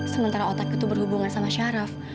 sementara otak itu berhubungan sama syaraf